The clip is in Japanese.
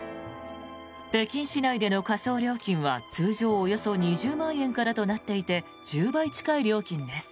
北京市内での火葬料金は、通常およそ２０万円からとなっていて１０倍近い料金です。